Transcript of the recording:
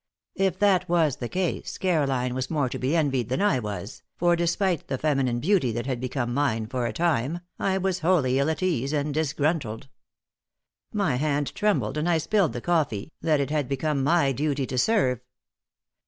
If that was the case, Caroline was more to be envied than I was, for, despite the feminine beauty that had become mine for a time, I was wholly ill at ease and disgruntled. My hand trembled and I spilled the coffee that it had become my duty to serve.